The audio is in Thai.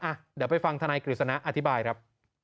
อ่ะเดี๋ยวไปฟังธนายกฤษณะอธิบายครับ